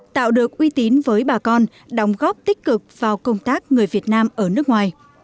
tạo được uy tín với bà con đóng góp tích cực vào công tác người việt nam ở nước ngoài